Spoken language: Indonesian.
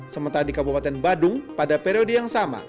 sementara di kabupaten badung pada periode yang sama